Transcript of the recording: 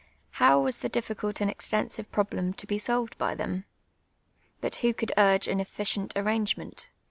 How was the difficult and extensive problem to be solved by them ? But who could urge an efficient arrangement